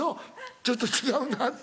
ちょっと違うなって。